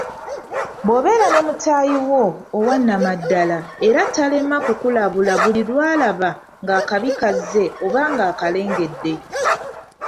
Bw'obeera ne mutaayi wo owannamaddala era talema kukulabula buli lwalaba nga akabi kazze oba ng'akalengedde